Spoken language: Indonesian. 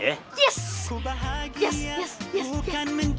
eh sobri kok kamu cuma bumbu doang sih bawanya